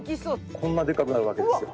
こんなでっかくなるわけですよ。